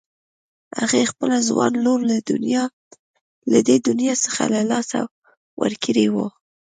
هغې خپله ځوانه لور له دې دنيا څخه له لاسه ورکړې وه.